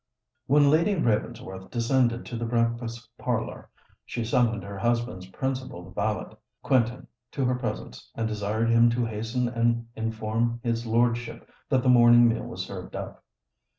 When Lady Ravensworth descended to the breakfast parlour, she summoned her husband's principal valet, Quentin, to her presence, and desired him to hasten and inform his lordship that the morning meal was served up.